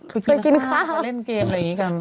ไปกินข้าวไปเล่นเกมอะไรอย่างนี้กัน